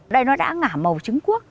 đây nó đã ngả màu trứng cuốc